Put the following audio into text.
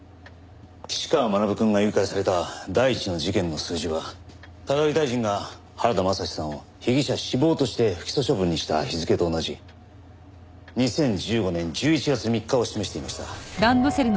岸川学くんが誘拐された第一の事件の数字は高木大臣が原田雅史さんを被疑者死亡として不起訴処分にした日付と同じ２０１５年１１月３日を示していました。